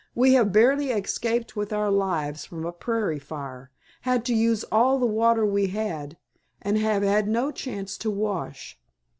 "We have barely escaped with our lives from a prairie fire, had to use all the water we had, and have had no chance to wash.